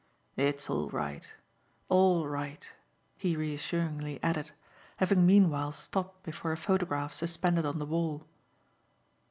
"It's all right all right!" he reassuringly added, having meanwhile stopped before a photograph suspended on the wall.